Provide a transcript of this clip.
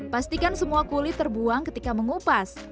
pastikan semua kulit terbuang ketika mengupas